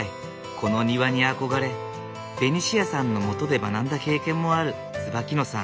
この庭に憧れベニシアさんのもとで学んだ経験もある椿野さん。